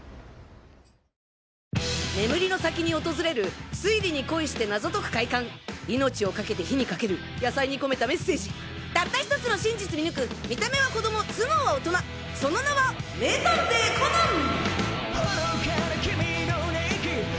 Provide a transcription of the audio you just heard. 眠りの先に訪れる推理に恋して謎解く快感命を懸けて火にかける野菜にこめたメッセージたった１つの真実見抜く見た目は子供頭脳は大人その名は名探偵コナン！